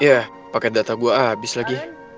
iya pakai data gue abis lagi